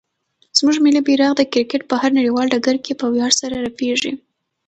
زموږ ملي بیرغ د کرکټ په هر نړیوال ډګر کې په ویاړ سره رپېږي.